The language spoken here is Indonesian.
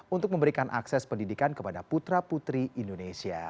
untuk memberikan akses pendidikan kepada putra putri indonesia